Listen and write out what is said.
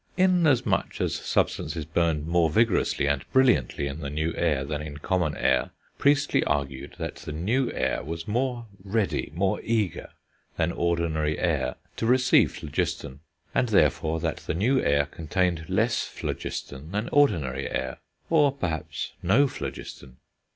Inasmuch as substances burned more vigorously and brilliantly in the new air than in common air, Priestley argued that the new air was more ready, more eager, than ordinary air, to receive phlogiston; and, therefore, that the new air contained less phlogiston than ordinary air, or, perhaps, no phlogiston.